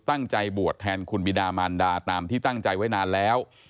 ตั้งใจบวชแทนคุณบิดามันดาตามที่ตั้งใจไว้นานแล้ว